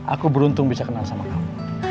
aku beruntung bisa kenal sama kamu